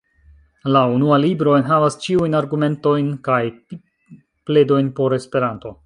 La Unua Libro enhavas ĉiujn argumentojn kaj pledojn por Esperanto.